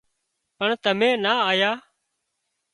پڻ تمين نا آيان